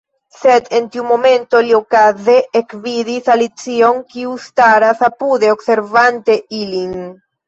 Sed en tiu momento li okaze ekvidis Alicion, kiu staras apude observante ilin.